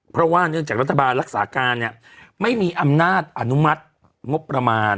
เพราะว่าเนื่องจากรัฐบาลรักษาการเนี่ยไม่มีอำนาจอนุมัติงบประมาณ